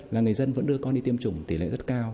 là người dân vẫn đưa con đi tiêm chủng tỷ lệ rất cao